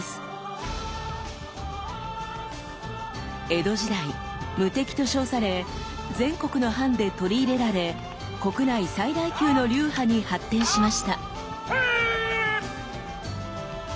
江戸時代無敵と称され全国の藩で取り入れられ国内最大級の流派に発展しました。